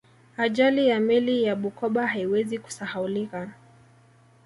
ajali ya meli ya bukoba haiwezi kusahaulika